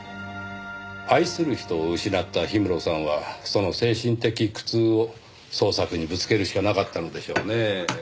愛する人を失った氷室さんはその精神的苦痛を創作にぶつけるしかなかったのでしょうねぇ。